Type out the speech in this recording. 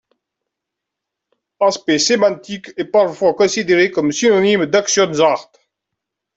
Aspect sémantique est parfois considéré comme synonyme d'Aktionsart.